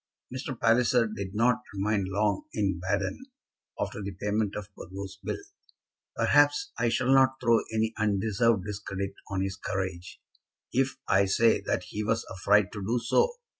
Mr. Palliser did not remain long in Baden after the payment of Burgo's bill. Perhaps I shall not throw any undeserved discredit on his courage if I say that he was afraid to do so.